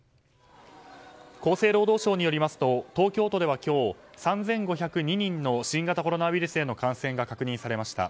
厚生労働省によりますと東京都では今日３５０２人の新型コロナウイルスへの感染が確認されました。